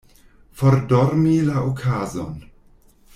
Fordormi la okazon.